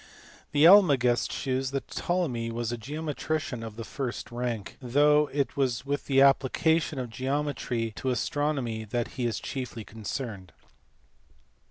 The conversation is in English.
The Almagest shews that Ptolemy was a geometrician of the first rank, though it is with the application of geometry to astronomy that he is chiefly concerned.